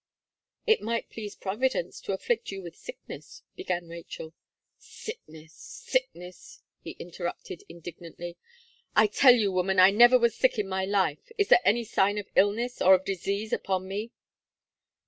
"It might please Providence to afflict you with sickness," began Rachel. "Sickness, sickness," he interrupted; indignantly, "I tell you, woman, I never was sick in my life. Is there the sign of illness, or of disease upon me?"